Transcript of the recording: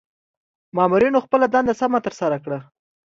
مامورنیو خپله دنده سمه ترسره کړه.